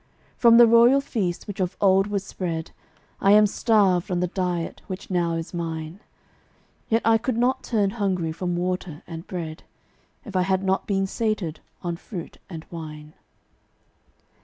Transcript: From the royal feast which of old was spread I am starved on the diet which now is mine; Yet I could not turn hungry from water and bread, If I had not been sated on fruit and wine.